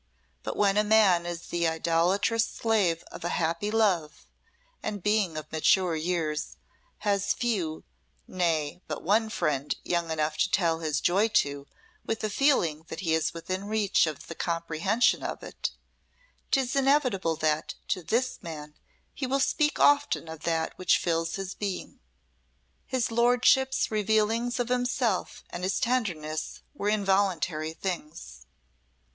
But when a man is the idolatrous slave of happy love and, being of mature years, has few, nay, but one friend young enough to tell his joy to with the feeling that he is within reach of the comprehension of it, 'tis inevitable that to this man he will speak often of that which fills his being. His Lordship's revealings of himself and his tenderness were involuntary things.